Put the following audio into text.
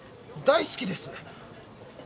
大好きです。